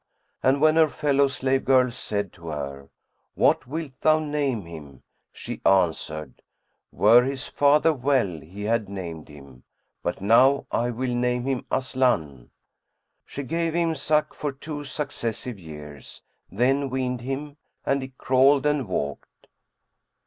And when her fellow slave girls said to her, "What wilt thou name him?" she answered, "Were his father well he had named him; but now I will name him Aslбn."[FN#109] She gave him suck for two successive years, then weaned him, and he crawled and walked.